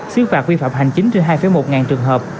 xứ phạt vi phạm hành chính trên hai một ngàn trường hợp